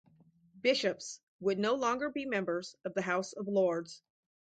Bishops would no longer be members of the House of Lords.